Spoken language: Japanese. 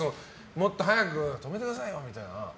もっと早く止めてくださいよみたいな。